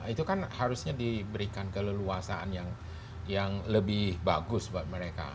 itu kan harusnya diberikan keleluasaan yang lebih bagus buat mereka